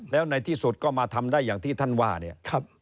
แล้วในที่สุดก็มาทำได้อย่างที่ท่านว่าเนี่ย